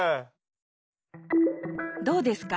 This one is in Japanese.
どうですか？